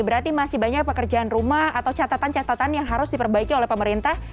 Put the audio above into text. berarti masih banyak pekerjaan rumah atau catatan catatan yang harus diperbaiki oleh pemerintah